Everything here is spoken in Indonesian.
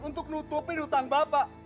untuk nutupin hutang bapak